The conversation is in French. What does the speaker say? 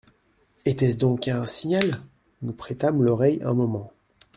Était-ce donc un signal ? Nous prêtâmes l'oreille un moment.